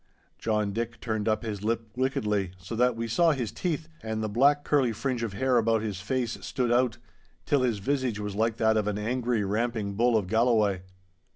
John Dick turned up his lip wickedly, so that we saw his teeth, and the black, curly fringe of hair about his face stood out, till his visage was like that of an angry ramping bull of Galloway.